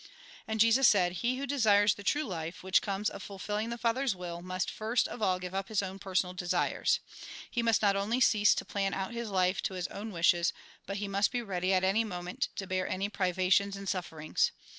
And Jesus said :" He who desires the true life, which comes of fuMlluig the Father's will, must first of all give up his own personal desires." He must not only cease to plan out his life to his own wishes, but he must be ready at any moment to bear any privations and sufferings.